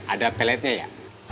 ada peletnya ya